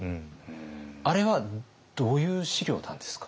あれはどういう史料なんですか？